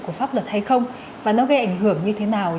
của pháp luật hay không và nó gây ảnh hưởng như thế nào